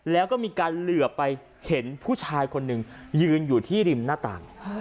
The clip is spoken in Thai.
แล้วก็มีการเหลือไปเห็นผู้ชายคนหนึ่งยืนอยู่ที่ริมหน้าต่าง